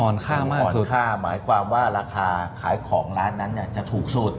อ่อนค่ามากสุดอ่อนค่าหมายความว่าราคาขายของร้านนั้นจะถูกสุด